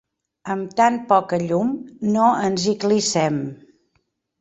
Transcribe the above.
Amb tan poca llum, no ens hi clissem.